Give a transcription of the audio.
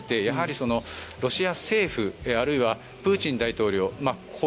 やはりロシア政府あるいはプーチン大統領